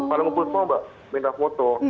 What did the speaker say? paling mumpuni semua mbak minta foto